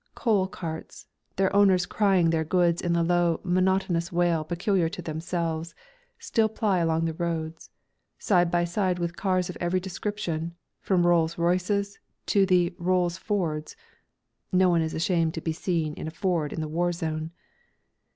Coal carts, their owners crying their goods in the low, monotonous wail peculiar to themselves, still ply along the roads, side by side with cars of every description, from Rolls Royces to the "Rolls Fords" (no one is ashamed to be seen in a Ford in the war zone).